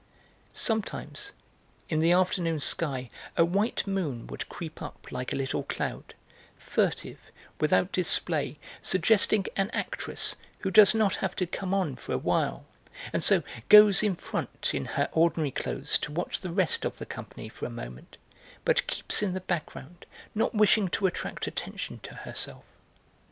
Sometimes in the afternoon sky a white moon would creep up like a little cloud, furtive, without display, suggesting an actress who does not have to 'come on' for a while, and so goes 'in front' in her ordinary clothes to watch the rest of the company for a moment, but keeps in the background, not wishing to attract attention to herself.